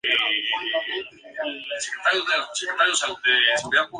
No consiguió subirlo de categoría.